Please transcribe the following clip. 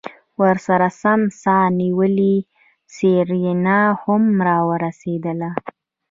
ورسرہ سم سا نيولې سېرېنا هم راورسېدله.